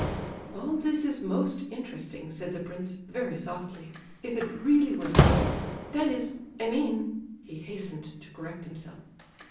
"All this is most interesting," said the prince, very softly, "if it really was so—that is, I mean—" he hastened to correct himself.